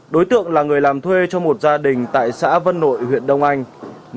đối tượng là người làm thuê cho một gia đình tại xã vân nội huyện đông anh